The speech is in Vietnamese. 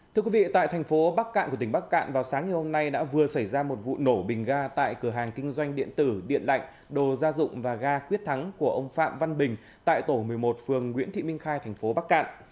thưa quý vị tại thành phố bắc cạn của tỉnh bắc cạn vào sáng ngày hôm nay đã vừa xảy ra một vụ nổ bình ga tại cửa hàng kinh doanh điện tử điện lạnh đồ gia dụng và ga quyết thắng của ông phạm văn bình tại tổ một mươi một phường nguyễn thị minh khai thành phố bắc cạn